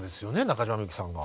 中島みゆきさんが。